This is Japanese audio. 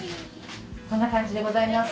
こんな感じでございます。